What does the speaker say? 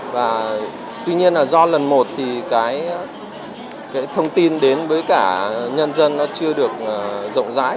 và tuy nhiên là do lần một thì cái thông tin đến với cả nhân dân nó chưa được rộng rãi